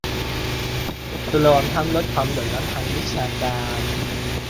รวมทั้งลดความเหลื่อมล้ำทางวิชาการ